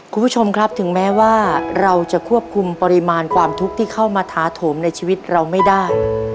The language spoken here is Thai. คุณผู้ชมครับถึงแม้ว่าเราจะควบคุมปริมาณความทุกข์ที่เข้ามาท้าโถมในชีวิตเราไม่ได้